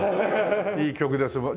いい曲ですもん。